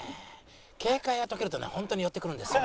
警戒が解けるとねホントに寄ってくるんですよ。